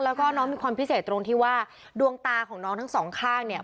แล้วก็น้องมีความพิเศษตรงที่ว่าดวงตาของน้องทั้งสองข้างเนี่ย